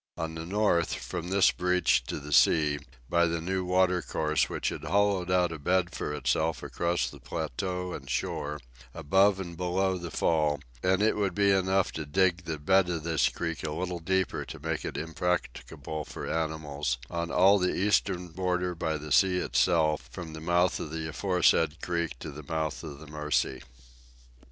On the north, from this breach to the sea, by the new water course which had hollowed out a bed for itself across the plateau and shore, above and below the fall, and it would be enough to dig the bed of this creek a little deeper to make it impracticable for animals, on all the eastern border by the sea itself, from the mouth of the aforesaid creek to the mouth of the Mercy.